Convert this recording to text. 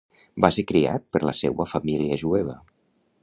Va ser criat per la seua família jueva.